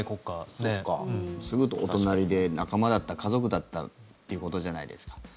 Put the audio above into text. すぐお隣で仲間だった、家族だったということじゃないですか。